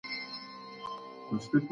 ماشوم د مور له خبرو زده کړه کوي.